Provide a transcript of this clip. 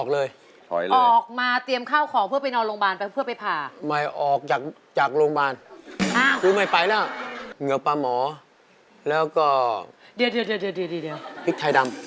เราขึ้นอย่างนี้แล้วเราหลุดลงหลุดขึ้นแบบนี้ทุกวัน